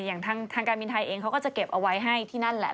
อย่างทางการบินไทยเองเขาก็จะเก็บเอาไว้ให้ที่นั่นแหละ